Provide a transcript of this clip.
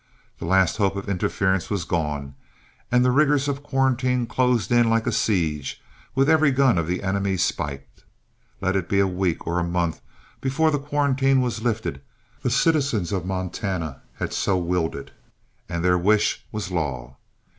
The last hope of interference was gone, and the rigors of quarantine closed in like a siege with every gun of the enemy spiked. Let it be a week or a month before the quarantine was lifted, the citizens of Montana had so willed it, and their wish was law.